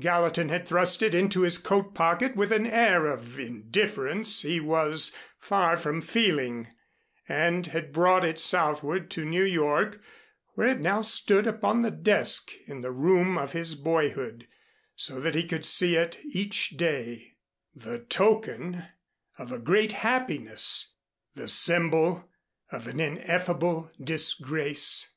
Gallatin had thrust it into his coat pocket with an air of indifference he was far from feeling, and had brought it southward to New York, where it now stood upon the desk in the room of his boyhood, so that he could see it each day, the token of a great happiness the symbol of an ineffable disgrace.